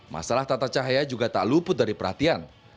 masalah tata cahaya juga tak luput dari perhatian